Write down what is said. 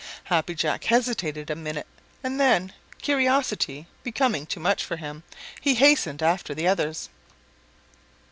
Happy Jack hesitated a minute and then, curiosity becoming too much for him, he hastened after the others.